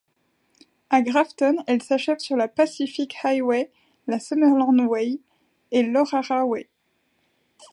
À Grafton elle s'achève sur la Pacific Highway, la Summerland Way et l'Orara Way.